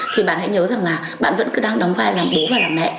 thì bạn hãy nhớ rằng là bạn vẫn cứ đang đóng vai làm bố và làm mẹ